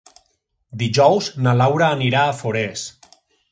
Dijous na Laura anirà a Forès.